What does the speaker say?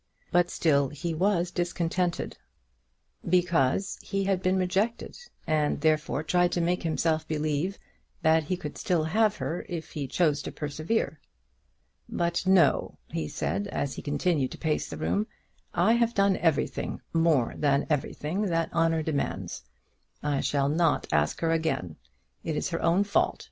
But still he was discontented, because he had been rejected, and therefore tried to make himself believe that he could still have her if he chose to persevere. "But no," he said, as he continued to pace the room, "I have done everything, more than everything that honour demands. I shall not ask her again. It is her own fault.